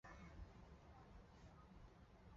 先在游客中心休息